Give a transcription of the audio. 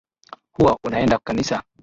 Huwa unaenda kanisa.